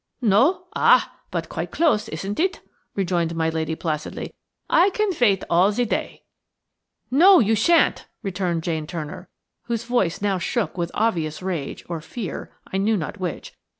"No? Ah! but quite close, isn't it?" rejoined my lady, placidly. "I can vait all ze day." "No, you shan't!" retorted Jane Turner, whose voice now shook with obvious rage or fear–I knew not which.